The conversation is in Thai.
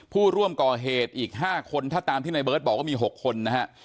ผู้ร่วมก่อเหตุอีก๕คนถ้าตามที่ในเบิร์ตบอกว่ามี๖คนนะฮะ